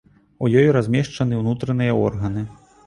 У ёй размешчаны ўнутраныя органы.